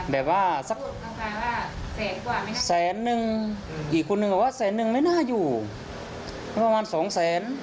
แบบว่าแสนหนึ่งอีกคนหนึ่งก็ว่าแสนหนึ่งไม่น่าอยู่ประมาณสองแสน